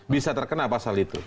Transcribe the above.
bisa terkena pasal itu